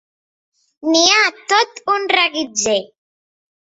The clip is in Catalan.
N'hi ha tot un reguitzell.